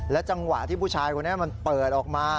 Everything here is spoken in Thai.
จังหวะที่ผู้ชายคนนี้มันเปิดออกมา